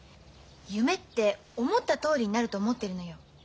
夢って思ったとおりになると思ってるのよ。